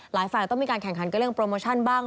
ฝ่ายต้องมีการแข่งขันกับเรื่องโปรโมชั่นบ้าง